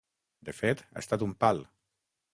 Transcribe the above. De fet, ha estat un pal.